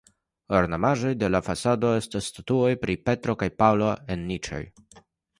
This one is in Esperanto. Ornamaĵoj de la fasado estas statuoj pri Petro kaj Paŭlo en niĉoj.